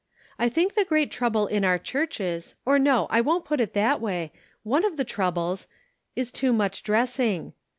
I think the great trouble in our churches, or no, I won't put it that way, one of the troubles, is too much dressing.